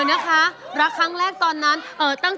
ด้านล่างเขาก็มีความรักให้กันนั่งหน้าตาชื่นบานมากเลยนะคะ